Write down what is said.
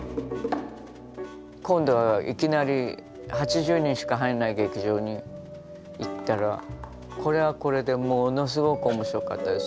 今度はいきなり８０人しか入んない劇場に行ったらこれはこれでものすごく面白かったです。